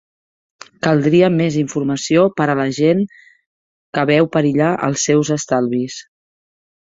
Caldria més informació per a la gent que veu perillar els seus estalvis.